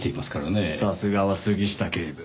さすがは杉下警部。